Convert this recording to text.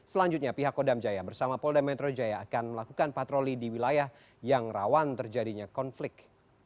selanjutnya pihak kodam jaya bersama polda metro jaya akan melakukan patroli di wilayah yang rawan terjadinya konflik